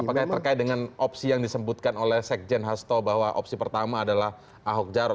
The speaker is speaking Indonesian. apakah terkait dengan opsi yang disebutkan oleh sekjen hasto bahwa opsi pertama adalah ahok jarot